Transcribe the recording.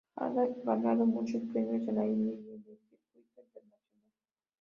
Ha ganado muchos premios en la India y en el circuito internacional.